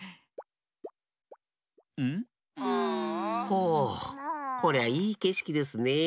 ほうこりゃいいけしきですねえ。